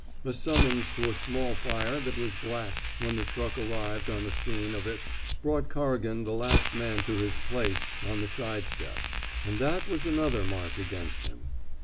A summons to a small fire that was black when the truck ar rived on the scene of it brought Corrigan the last man to his place on tlie side step; and that was another mark against him.